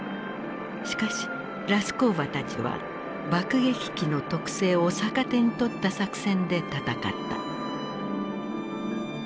しかしラスコーヴァたちは爆撃機の特性を逆手に取った作戦で戦った。